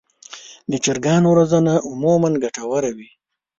د چرګانو روزنه عموماً ګټه وره وي.